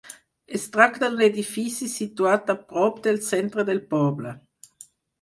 Es tracta d'un edifici situat a prop del centre del poble.